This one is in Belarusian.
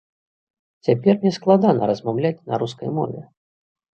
Цяпер мне складана размаўляць на рускай мове.